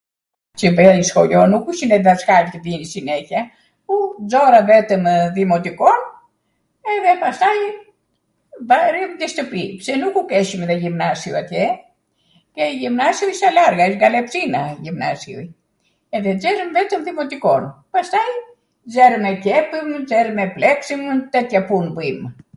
Cw vejw skolio nukw ishin dhaskalw tw mir sinehjia. Xora vetwmw dhimotikon edhe pastaj rrim ndw shtwpi pse nuku keshwm edhe jimnasio atje. Kej jimansio, ishte larg, ga Lefsina jimnasio. Edhe xerrwm vetwm dhimotikon, pastaj xerwm e qepwm, zerwm e plekswm, tetja pun bwjmw.